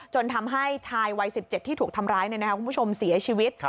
จนทำให้ชายวัยสิบเจ็ดที่ถูกทำร้ายเนี่ยนะคะคุณผู้ชมเสียชีวิต